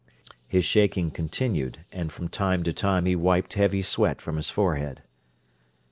His shaking continued, and from time to time he wiped heavy sweat from his forehead.